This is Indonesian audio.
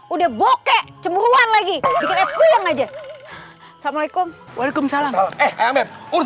udah bokeh cemburan lagi bikin aku yang aja assalamualaikum waalaikumsalam eh ayam beb urus